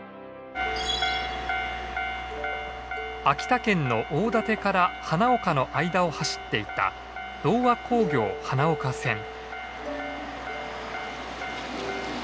秋田県の大館から花岡の間を走っていた同和鉱業花岡線。